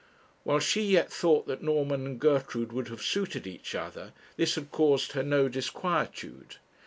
While she yet thought that Norman and Gertrude would have suited each other, this had caused her no disquietude.